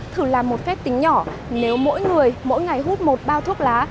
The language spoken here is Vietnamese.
thử làm một phép tính nhỏ nếu mỗi người mỗi ngày hút một bao thuốc lá